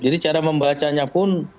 jadi cara membacanya pun